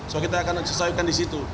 so kita akan sesuaikan di situ